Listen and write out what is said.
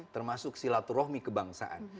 termasuk silaturahmi kebangsaan